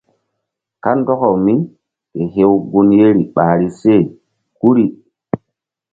Kandɔkaw míke hew gun yeri ɓahri se guri.